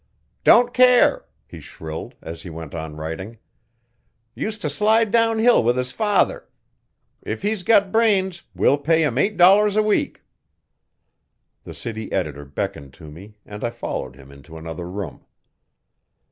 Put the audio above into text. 'Don't care!' he shrilled, as he went on writing. 'Used to slide downhill with his father. If he's got brains we'll pay him eight dollars a week. The city editor beckoned to me and I followed him into another room.